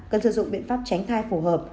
cần sử dụng biện pháp tránh thai phù hợp